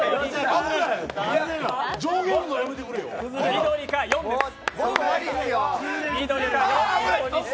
緑か４です。